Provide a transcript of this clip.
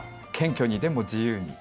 謙虚にでも自由に。